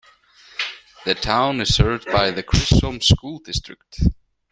The town is served by the Chisholm school district.